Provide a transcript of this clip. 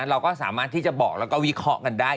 เราก็สามารถที่จะบอกแล้วก็วิเคราะห์กันได้